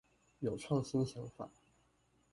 有創新想法